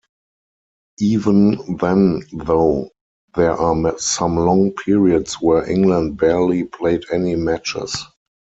Even then though, there are some long periods where England barely played any matches.